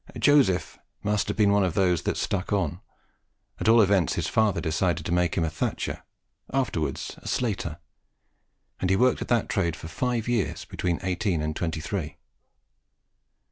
Joseph must have been one of those that stuck on at all events his father decided to make him a thatcher, afterwards a slater, and he worked at that trade for five years, between eighteen and twenty three.